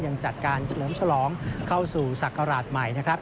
ยังจัดการเฉลิมฉลองเข้าสู่ศักราชใหม่นะครับ